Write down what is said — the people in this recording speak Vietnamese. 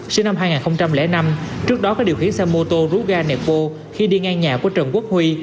sinh năm hai nghìn năm trước đó có điều khiển xe mô tô rú ga nẹp phô khi đi ngang nhà của trần quốc huy